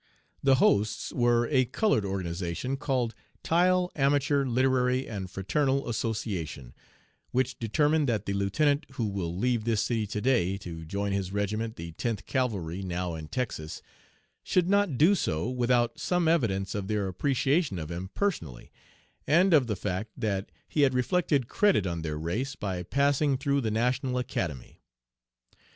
The hosts were a colored organization called tile Amateur Literary and Fraternal Association, which determined that the lieutenant who will leave this city to day to join his regiment, the Tenth Cavalry, now in Texas, should not do so without some evidence of their appreciation of him personally, and of the fact that he had reflected credit on their race by passing through the National Academy.